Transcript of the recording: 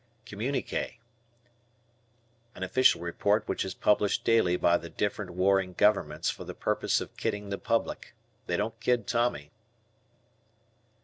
Communique. An official report which is published daily by the different warring governments for the purpose of kidding the public. They don't kid Tommy.